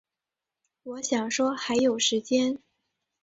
我想说还有时间